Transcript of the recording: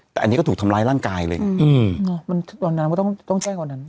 แต่อันนี้ก็ถูกทำร้ายร่างกายเลยอืมมันต้องต้องแจ้งกว่านั้น